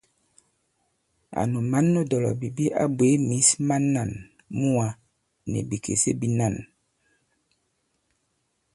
Ànu mǎn nu dɔ̀lɔ̀bìbi a bwě mǐs ma màn muwā nì bìkèse bīnân.